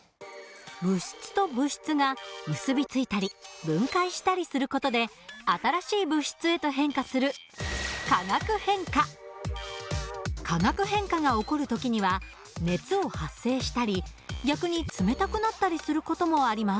物質と物質が結び付いたり分解したりする事で新しい物質へと変化する化学変化が起こる時には熱を発生したり逆に冷たくなったりする事もあります。